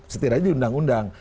setidaknya di undang undang